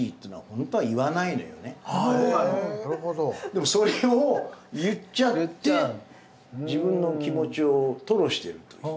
でもそれを言っちゃって自分の気持ちを吐露してるという句。